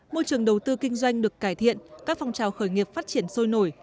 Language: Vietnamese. môi trường đầu tư kinh doanh được cải thiện các phong trào khởi nghiệp phát triển sôi nổi